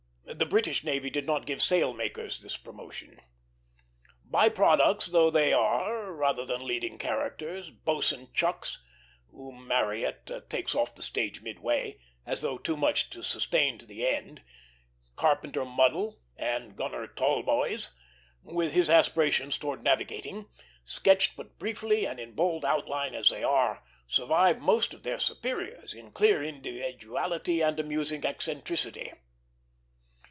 The British navy did not give sailmakers this promotion. By products though they are, rather than leading characters, Boatswain Chucks, whom Marryat takes off the stage midway, as though too much to sustain to the end, Carpenter Muddle, and Gunner Tallboys, with his aspirations towards navigating, sketched but briefly and in bold outline as they are, survive most of their superiors in clear individuality and amusing eccentricity.